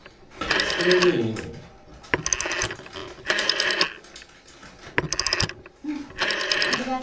これでいいの？